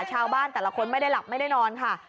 แต่ละคนไม่ได้หลับไม่ได้นอนค่ะ